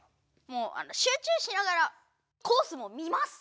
もう集中しながらコースも見ます。